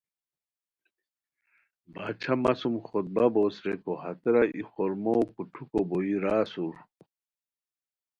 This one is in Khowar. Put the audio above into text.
باچھا مہ سوم خطبہ بوس ریکو ہتیرا ای خورمو کوٹھوکو بوئی را اسور